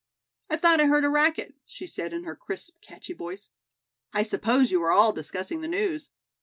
"I thought I heard a racket," she said in her crisp, catchy voice. "I suppose you are all discussing the news."